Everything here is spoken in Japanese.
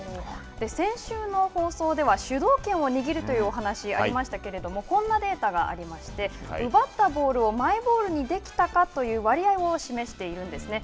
先週の放送では主導権を握るというお話がありましたけれどもこんなデータがありまして奪ったボールをマイボールにできたかという割合を示しているんですね。